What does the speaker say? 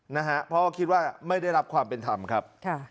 นะฮะเพราะคิดว่าไม่ได้รับความเป็นธรรมครับ